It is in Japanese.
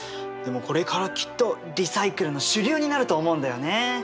でもこれからきっとリサイクルの主流になると思うんだよね。